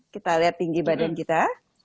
kita lihat tinggi badan kita